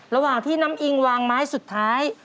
ระหว่างที่น้ำอิงวางไม้สุดท้าย